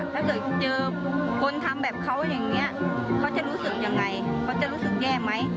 ถ้าเกิดเจอคนทำแบบเขาอย่างนี้เขาจะรู้สึกยังไงเขาจะรู้สึกแย่ไหม